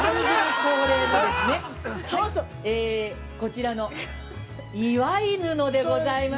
◆恒例のですね、こちらの祝い布でございます。